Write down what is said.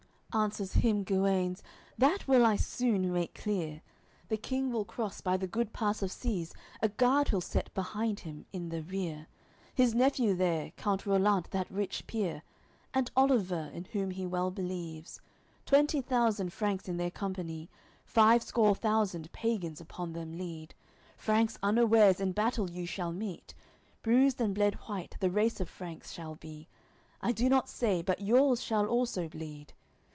Answers him Guenes: "That will I soon make clear The King will cross by the good pass of Size, A guard he'll set behind him, in the rear; His nephew there, count Rollant, that rich peer, And Oliver, in whom he well believes; Twenty thousand Franks in their company Five score thousand pagans upon them lead, Franks unawares in battle you shall meet, Bruised and bled white the race of Franks shall be; I do not say, but yours shall also bleed.